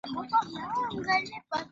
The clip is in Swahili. sikiliza rfi kiswashili